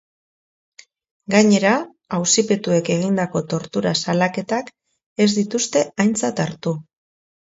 Gainera, auzipetuek egindako tortura salaketak ez dituzte aintzat hartu.